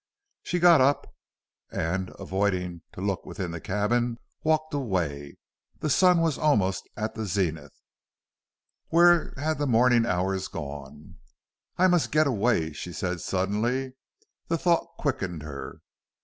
She got up and, avoiding to look within the cabin, walked away. The sun was almost at the zenith. Where had the morning hours gone? "I must get away," she said, suddenly. The thought quickened her.